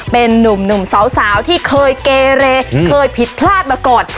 เป็นนุ่มสาวที่เคยเกเรเคยผิดพลาดมาก่อน